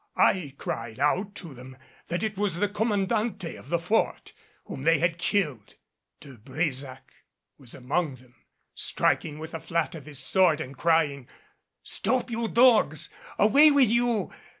I cried out to them that it was the Commandante of the Fort whom they had killed. De Brésac was among them, striking with the flat of his sword, and crying: "Stop! you dogs! Away with you!